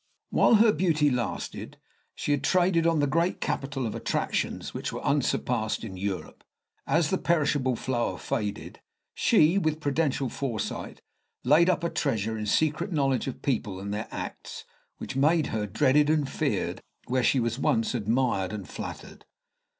While her beauty lasted, she had traded on the great capital of attractions which were unsurpassed in Europe. As the perishable flower faded, she, with prudential foresight, laid up a treasure in secret knowledge of people and their acts, which made her dreaded and feared where she was once admired and flattered.